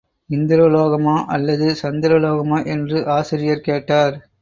இந்திரலோகமா அல்லது சந்திர லோகமா என்று ஆசிரியர் கேட்டார்.